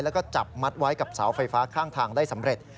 แล้วก็จับมัดไว้กับเสาไฟฟ้าข้างทางได้สำเร็จ